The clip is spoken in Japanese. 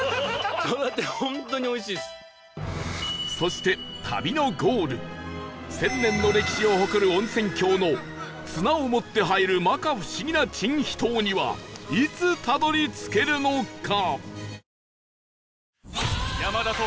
そして旅のゴール１０００年の歴史を誇る温泉郷の綱を持って入る摩訶不思議な珍秘湯にはいつたどり着けるのか？